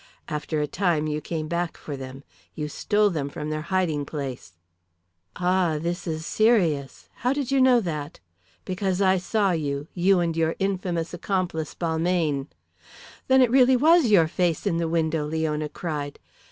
After a time you came back for them. You stole them from their hiding place." "Ah, this is serious. How did you know that?" "Because I saw you you and your infamous accomplice, Balmayne." "Then it really was your face in the window!" Leona cried.